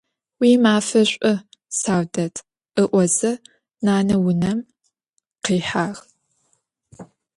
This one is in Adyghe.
Уимафэ шӀу, Саудэт! – ыӀозэ нанэ унэм къихьагъ.